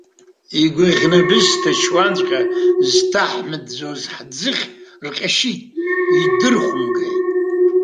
Игәаӷьны абысҭа чуанҵәҟьа зҭаҳмыӡәӡәоз ҳӡыхь рҟьашьит, идырхәымгеит.